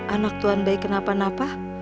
anak tuhan baik kenapa napa